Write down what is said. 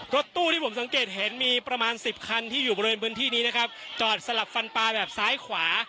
รถตู้ที่ผมสังเกตเห็นมีประมาณสิบคันที่อยู่บริเวณพื้นที่นี้นะครับจอดสลับฟันปลาแบบซ้ายขวา